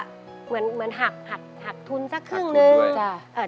๔๐๐ก็เหมือนหัดทุนสักครึ่งนึงจริงทุนด้วย